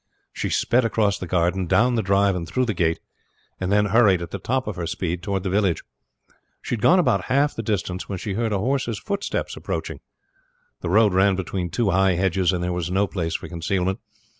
She sped cross the garden, down the drive, and through the gate, and then hurried at the top of her speed toward the village. She had gone about half the distance when she heard a horse's footsteps approaching. The road ran between two high hedges and there was no place for concealment.